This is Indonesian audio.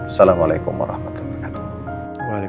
assalamualaikum warahmatullahi wabarakatuh